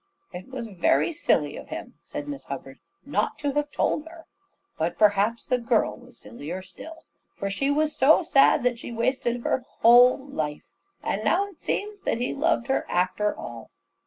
"It was very silly of him," said Miss Hubbard, "not to have told her. But perhaps the girl was sillier still. For she was so sad that she wasted her whole life; and now it seems that he loved her after all."